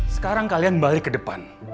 sekarang kalian balik ke depan